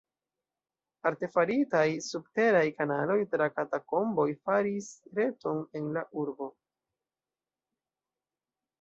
Artefaritaj subteraj kanaloj tra katakomboj faris reton en la urbo.